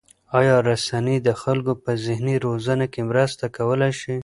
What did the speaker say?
آیا رسنۍ د خلکو په ذهني روزنه کې مرسته کولای شي؟